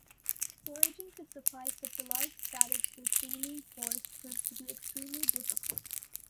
Foraging to supply such a large static besieging force proved to be extremely difficult.